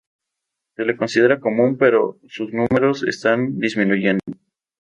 Se le considera común, pero sus números están disminuyendo.